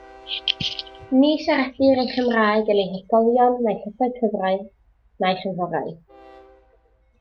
Ni siaredir ei Chymraeg yn ei hysgolion na'i llysoedd cyfraith na'i chynghorau.